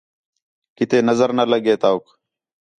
کِتے نظر نہ لڳے توک